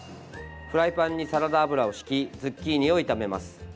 フライパンにサラダ油をひきズッキーニを炒めます。